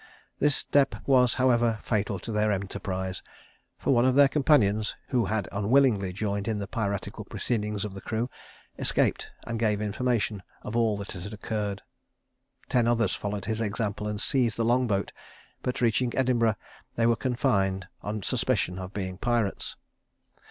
This step was, however, fatal to their enterprise; for one of their companions, who had unwillingly joined in the piratical proceedings of the crew, escaped, and gave information of all that had occurred. Ten others followed his example, and seized the long boat; but reaching Edinburgh, they were confined on suspicion of being pirates.